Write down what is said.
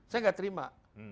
saya tidak terima